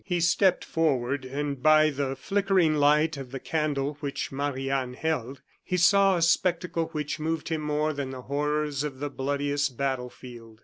He stepped forward, and by the flickering light of the candle which Marie Anne held, he saw a spectacle which moved him more than the horrors of the bloodiest battle field.